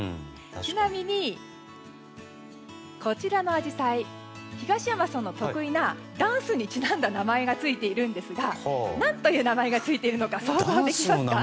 ちなみに、こちらのアジサイ東山さんの得意なダンスにちなんだ名前がついているんですが何という名前がついているのか想像できますか。